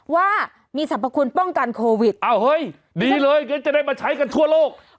ว่ามีสรรพคุณป้องกันโควิดดีเลยเดี๋ยวจะได้มาใช้กันทั่วโลก